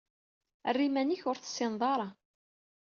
Err iman-ik ur tt-tessineḍ ara.